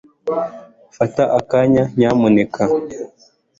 Fata akanya nyamuneka